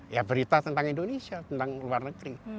ya berita tentang indonesia tentang luar negeri